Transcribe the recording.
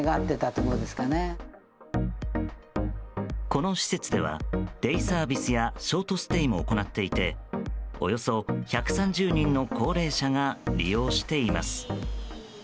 この施設ではデイサービスやショートステイも行っていておよそ１３０人の高齢者が利用しています。